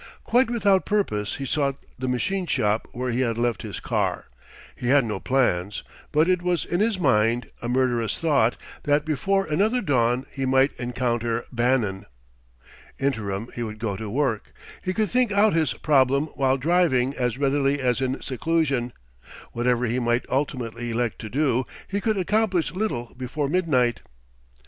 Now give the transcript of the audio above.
Quite without purpose he sought the machine shop where he had left his car. He had no plans; but it was in his mind, a murderous thought, that before another dawn he might encounter Bannon. Interim, he would go to work. He could think out his problem while driving as readily as in seclusion; whatever he might ultimately elect to do, he could accomplish little before midnight.